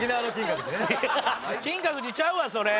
金閣寺ちゃうわそれ！